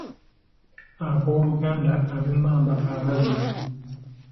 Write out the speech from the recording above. Abooluganda ab’emmamba ababiri.